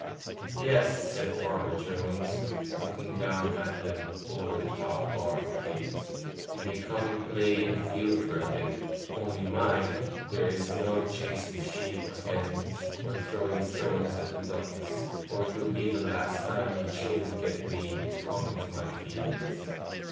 * 'Yes,' said Farmer Jones, looking down at them over the top bar of the gate, 'you may come and play in the field for a bit; only mind, there is to be no chasing the sheep or hens, or throwing stones at the ducks, or it will be the last time you children get leave to come into my fields.